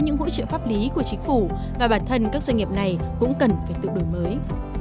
những hỗ trợ pháp lý của chính phủ và bản thân các doanh nghiệp này cũng cần phải tự đổi mới